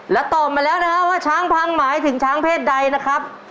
แล้วตอบมาแล้วนะฮะว่าช้างพังหมายถึงช้างเพศใดนะครับ